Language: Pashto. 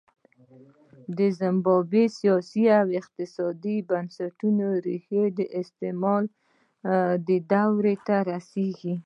د زیمبابوې سیاسي او اقتصادي بنسټونو ریښې استعمار دورې ته رسېږي.